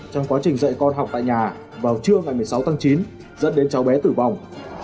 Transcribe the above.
trong quá trình dạy con học tại nhà vào trưa ngày một mươi sáu tháng chín dẫn đến cháu bé tử vong